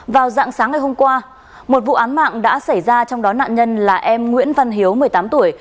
vào dạng sáng ngày hôm qua một vụ án mạng đã xảy ra trong đó nạn nhân là em nguyễn văn hiếu một mươi tám tuổi